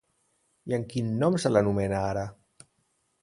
I amb quin nom se l'anomena ara?